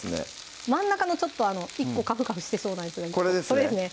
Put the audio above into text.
真ん中のちょっと１個カフカフしてそうなやつこれですね